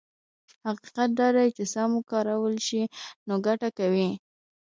حقيقت دا دی چې که سم وکارول شي نو ګټه کوي.